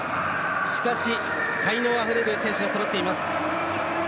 しかし、才能あふれる選手がそろっています。